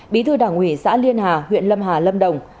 bí thư đảng ủy xã liên hà huyện lâm hà lâm đồng